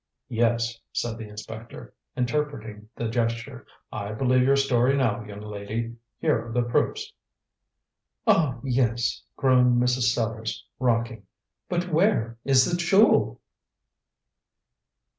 "Yes," said the inspector, interpreting the gesture. "I believe your story now, young lady. Here are the proofs." "Ah, yes," groaned Mrs. Sellars, rocking. "But where is the jewel?"